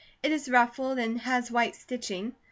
It is ruffled, and has white stitching.